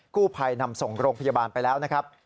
กู้ภัยนำส่งโรงพยาบาลไปแล้วนะครับ